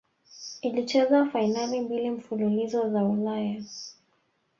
ilicheza fainali mbili mfululizo za ulaya